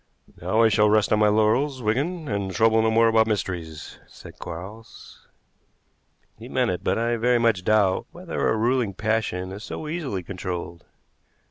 "Now I shall rest on my laurels, Wigan, and trouble no more about mysteries," said Quarles. He meant it, but I very much doubt whether a ruling passion is so easily controlled.